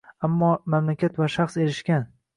Ammo mamlakat va shaxs erishgan.